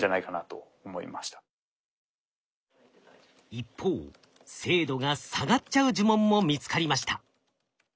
一方精度が下がっちゃう呪文も見つかりました。